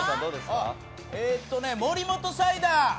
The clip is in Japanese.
森本サイダー。